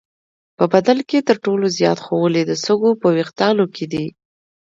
په بدن کې تر ټولو زیات خونې د سږو په وېښتانو کې دي.